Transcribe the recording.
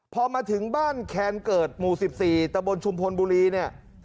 พอมาถึงบ้านแคนเกิดหมู่๑๔ตะบนชุมพลบุรีเนี่ย